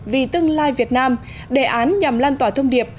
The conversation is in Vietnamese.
vì tương lai việt nam đề án nhằm lan tỏa thông điệp